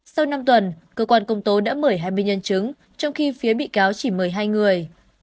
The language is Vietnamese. sau năm tuần cơ quan công tố đã mời hai mươi nhân chứng trong khi phía bị cáo chỉ mời hai người